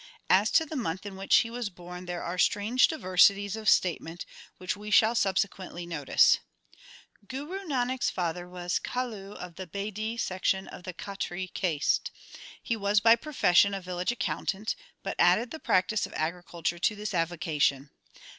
As to the month in which he was born there are strange diversities of statement, which we shall subse quently notice. Guru Nanak s father was Kalu of the Bedi l section of the Khatri caste. He was by profession a village accountant, but added the practice of agriculture to this avocation.